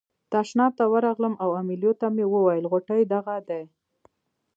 تشناب ته ورغلم او امیلیو ته مې وویل غوټې دغه دي.